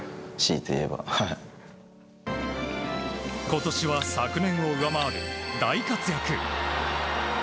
今年は昨年を上回る大活躍。